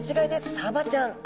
サバちゃん。